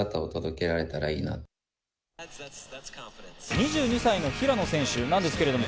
２２歳の平野選手ですけれども、